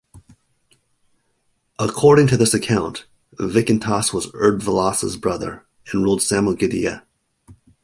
According to this account Vykintas was Erdvilas' brother and ruled Samogitia.